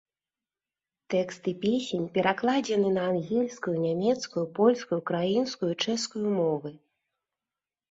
Тэксты песень перакладзены на ангельскую, нямецкую, польскую, украінскую і чэшскую мовы.